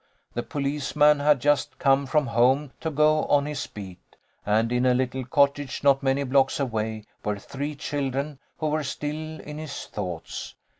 The police man had just come from home to go on his beat, and in a little cottage not many blocks away were three children who were still in his thoughts.